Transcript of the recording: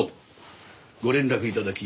ご連絡頂き